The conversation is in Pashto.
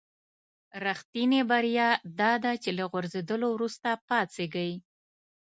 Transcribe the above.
رښتینې بریا داده چې له غورځېدلو وروسته پاڅېږئ.